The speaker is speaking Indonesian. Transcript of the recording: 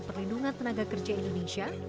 perlindungan tenaga kerja indonesia